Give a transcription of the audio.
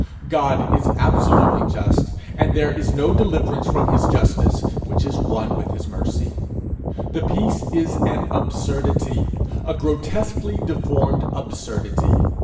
God is absolutely just, and there is no deliverance from his justice, which is one with his mercy. The device is an absurdity a grotesquely deformed absurdity.